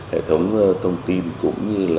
hệ thống thông tin cũng như